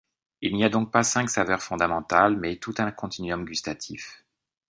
Il n'y a donc pas cinq saveurs fondamentales mais tout un continuum gustatif.